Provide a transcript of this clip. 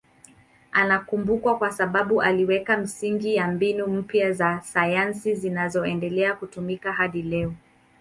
Anakumbukwa kwa sababu aliweka misingi ya mbinu mpya za sayansi zinazoendelea kutumika hadi leo.